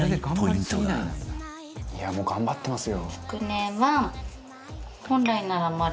「いやもう頑張ってますよ」